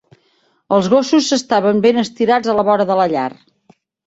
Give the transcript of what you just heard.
Els gossos s'estaven ben estirats a la vora de la llar.